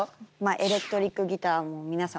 エレクトリックギターも皆さん